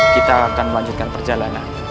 kita akan melanjutkan perjalanan